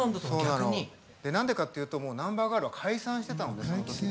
なんでかっていうともうナンバーガールは解散してたの。